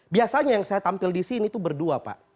biasanya yang saya tampil di sini itu berdua pak